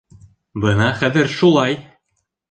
Бына хәҙер шулай!